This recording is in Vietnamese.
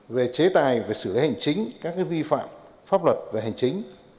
về chế tài về xử lý hành chính các vi phạm pháp luật về hành chính